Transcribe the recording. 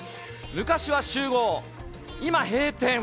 昔は集合今閉店。